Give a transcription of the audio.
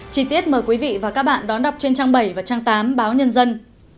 chí tiết mời quý vị và các bạn đón đọc trên trang bảy và trang tám báo nhân dân